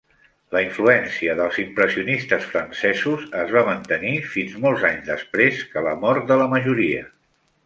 La influència dels impressionistes francesos es va mantenir fins molts anys després que la mort de la majoria.